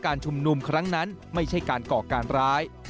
ชุมนุมครั้งนั้นไม่ใช่การก่อการร้าย